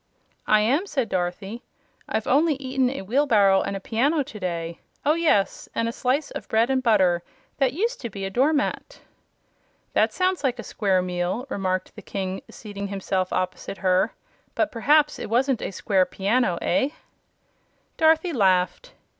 "I am," said Dorothy. "I've only eaten a wheelbarrow and a piano to day oh, yes! and a slice of bread and butter that used to be a door mat." "That sounds like a square meal," remarked the King, seating himself opposite her; "but perhaps it wasn't a square piano. Eh?" Dorothy laughed.